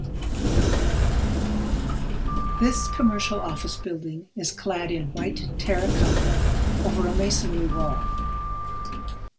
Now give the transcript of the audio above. This commercial office building is clad in white terra cotta over a masonry wall.